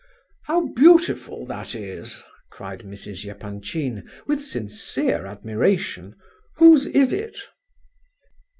"How beautiful that is!" cried Mrs. Epanchin, with sincere admiration. "Whose is it?"